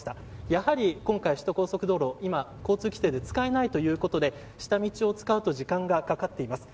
やはり今回、首都高速道路今、交通規制で使えないということで下道を使うと時間がかかっています。